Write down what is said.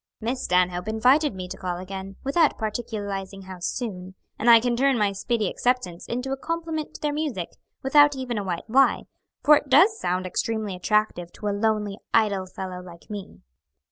"Miss Stanhope invited me to call again, without particularizing how soon, and I can turn my speedy acceptance into a compliment to their music, without even a white lie, for it does sound extremely attractive to a lonely, idle fellow like me."